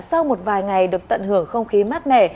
sau một vài ngày được tận hưởng không khí mát mẻ